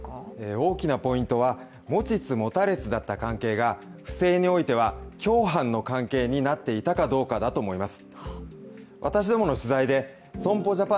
大きなポイントは、持ちつ持たれつだった関係が不正においては、共犯の関係になっていたかどうかだと思います。